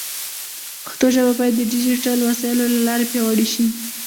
پښتو ژبه باید د ډیجیټل وسایلو له لارې پیاوړې شي.